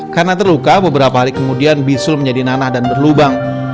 karena terluka beberapa hari kemudian bisul menjadi nanah dan berlubang